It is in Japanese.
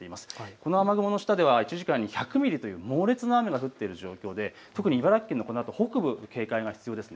この雨雲の下では１時間に１００ミリという猛烈な雨が降っている状況で茨城県はこのあと北部、特に警戒が必要です。